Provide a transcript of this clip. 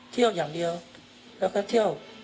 เที่ยวอย่างเดียวแล้วก็เที่ยว